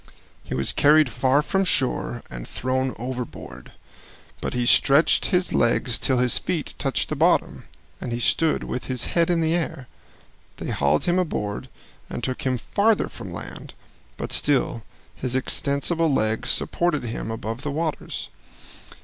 He was carried far from shore and thrown overboard, but he stretched his legs till his feet touched bottom, and he stood with his head in the air. They hauled him aboard and took him farther from land, but still his extensible legs supported him above the waters.